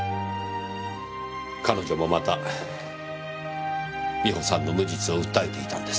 彼女もまた美穂さんの無実を訴えていたんです。